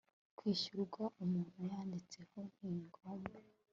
kwishyurwa umuntu yanditseho ntigomba